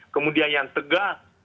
kemudian yang tegas